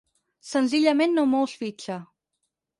Senzillament no mous fitxa.